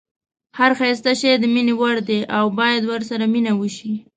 هر ښایسته شی د مینې وړ دی او باید ورسره مینه وشي.